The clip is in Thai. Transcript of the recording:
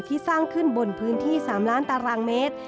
สร้างขึ้นบนพื้นที่๓ล้านตารางเมตร